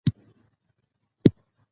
ته ورځه زه در پسې یم زه هم ژر در روانېږم